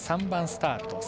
３３番スタート